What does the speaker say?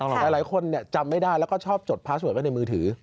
หลายคนจำไม่ได้แล้วก็ชอบจดพาสเวิร์ดไว้ในมือถือ